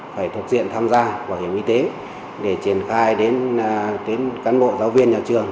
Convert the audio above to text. phải thuộc diện tham gia bảo hiểm y tế để triển khai đến cán bộ giáo viên nhà trường